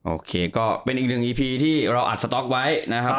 โอเคก็เป็นอีกหนึ่งอีพีที่เราอัดสต๊อกไว้นะครับ